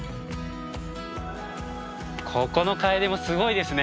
ここのカエデもすごいですね。